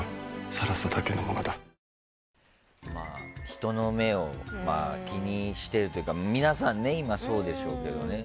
人の目を気にしてるというか皆さんも今、そうでしょうけどね。